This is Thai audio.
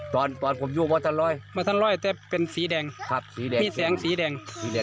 ตอนนี้เป็นสีแดงมีแสงสีแดง